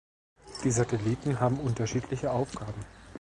Die Satelliten haben unterschiedliche Aufgaben.